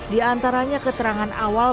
di antaranya keterangan awal